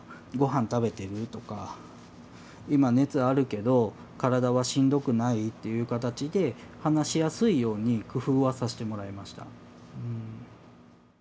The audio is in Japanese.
「御飯食べてる？」とか「今熱あるけど体はしんどくない？」っていう形で話しやすいように工夫はさせてもらいました。